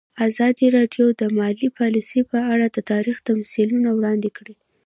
ازادي راډیو د مالي پالیسي په اړه تاریخي تمثیلونه وړاندې کړي.